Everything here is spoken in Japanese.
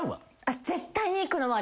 絶対にいくのは。